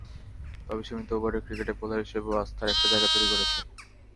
তবে সীমিত ওভারের ক্রিকেটে বোলার হিসেবেও আস্থার একটা জায়গা তৈরি করেছেন।